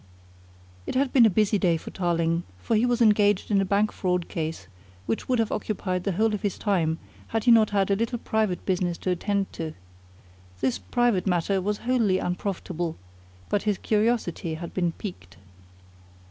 It had been a busy day for Tarling, for he was engaged in a bank fraud case which would have occupied the whole of his time had he not had a little private business to attend to. This private matter was wholly unprofitable, but his curiosity had been piqued.